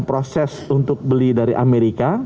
proses untuk beli dari amerika